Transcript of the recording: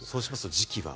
時期は？